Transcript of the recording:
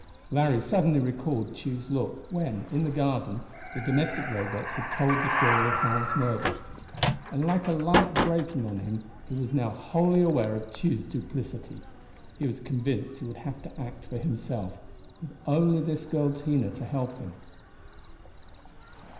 Larry suddenly recalled Tugh's look, when, in the garden, the domestic Robots had told the story of Harl's murder; and like a light breaking on him, he was now wholly aware of Tugh's duplicity. He was convinced he would have to act for himself, with only this girl Tina to help him.